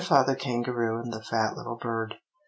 FATHER KANGAROO AND THE FAT LITTLE BIRD.